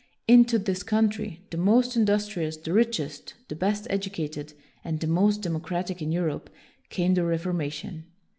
Into this country, the most industrious, the richest, the best educated, and the most democratic in Europe, came the Reforma tion.